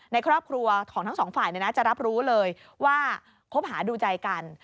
ในครอบครัวของทั้งสองฝ่ายจะรับรู้เลยว่าคบหาดูใจกัน